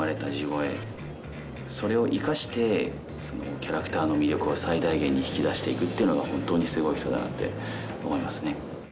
キャラクターの魅力を最大限に引き出していくっていうのが本当にスゴい人だなって思いますね。